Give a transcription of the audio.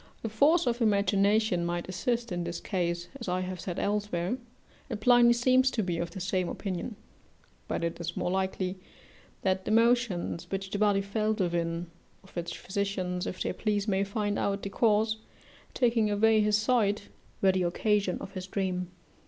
The force of imagination might assist in this case, as I have said elsewhere, and Pliny seems to be of the same opinion; but it is more likely that the motions which the body felt within, of which physicians, if they please, may find out the cause, taking away his sight, were the occasion of his dream.